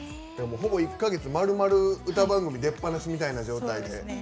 ほぼ１か月まるまる歌番組出っぱなしみたいな状態で。